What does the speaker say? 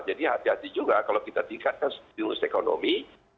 hati hati juga kalau kita tingkatkan stimulus ekonomi